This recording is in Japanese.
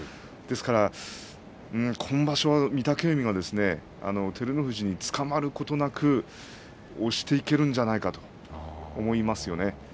ですから今場所は御嶽海が照ノ富士につかまることなく押していけるんじゃないかなと思いますよね。